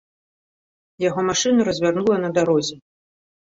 Яго машыну развярнула на дарозе.